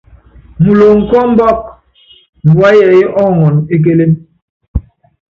Muloŋ kɔ ɔmbɔk, mbua yɛɛyɛ́ ɔɔŋɔn e kélém.